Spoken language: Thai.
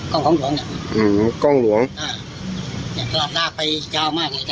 กล้องของหลวงเนี้ยอืมกล้องหลวงอ่าเนี้ยก็ลากไปยาวมากเลยจ